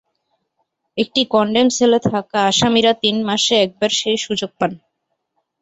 কিন্তু কনডেম সেলে থাকা আসামিরা তিন মাসে একবার সেই সুযোগ পান।